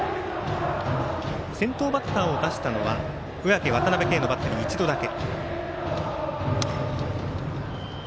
先頭バッターを出したのは小宅、渡辺バッテリーの１度だけ。